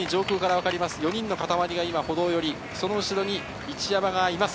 ４人の固まりが歩道寄り、その後ろに一山がいます。